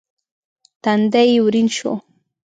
تندی يې ورين شو.